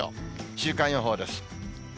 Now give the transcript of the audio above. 週間予報です。